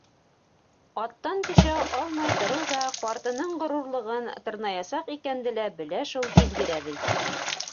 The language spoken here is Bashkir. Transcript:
Аттан төшә алмай тороу ҙа ҡартының ғорурлығын тырнаясаҡ икәнде лә белә шул һиҙгер әбей.